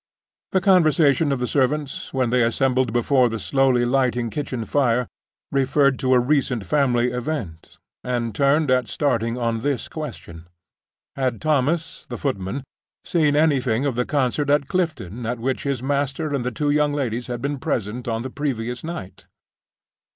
The conversation of the servants, when they assembled before the slowly lighting kitchen fire, referred to a recent family event, and turned at starting on this question: Had Thomas, the footman, seen anything of the concert at Clifton, at which his master and the two young ladies had been present on the previous night?